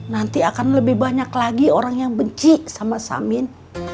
nanti akan lebih banyak lagi orang yang benci sama samin